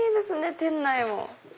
店内も。